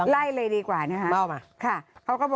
ไล่เลยดีกว่านะคะ